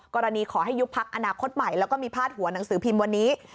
ขอให้ยุบพักอนาคตใหม่แล้วก็มีพาดหัวหนังสือพิมพ์วันนี้